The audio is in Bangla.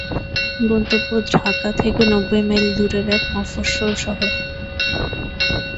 গন্তব্য ঢাকা থেকে নব্বই মাইল দূরের এক মফস্বল শহর।